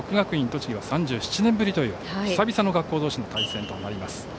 栃木は３７年ぶりという久々の学校同士の対戦となります。